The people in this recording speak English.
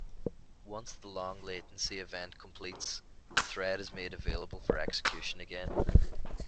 Once the long-latency event completes, the thread is made available for execution again.